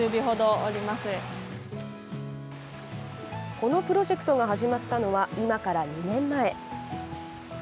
このプロジェクトが始まったのは、今から２年前。